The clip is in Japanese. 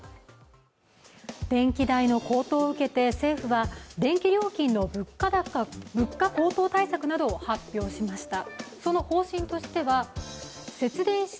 電気代の高騰を受けて政府は、電気料金の物価高騰対策などを発表しました。